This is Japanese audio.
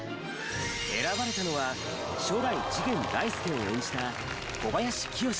選ばれたのは初代次元大介を演じた小林清志。